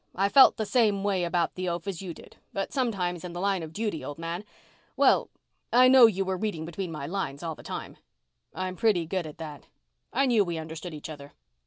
I felt the same way about the oaf as you did. But sometimes, in the line of duty, old man ... well, I know you were reading between my lines all the time." "I'm pretty good at that." "I knew we understood each other."